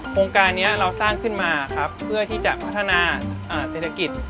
โครงการนี้เราสร้างขึ้นมาครับเพื่อที่จะพัฒนาเศรษฐกิจ